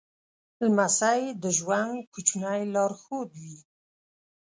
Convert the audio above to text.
لمسی د ژوند کوچنی لارښود وي.